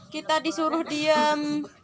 kita disuruh diem